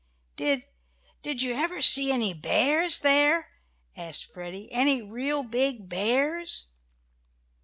"Did did you ever see any bears there?" asked Freddie, "any real big bears?"